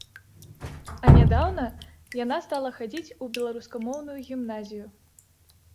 А нядаўна яна стала хадзіць у беларускамоўную гімназію.